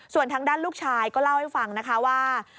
ส่วนทางด้านลูกชายก็เล่าให้ฟังนะคะว่า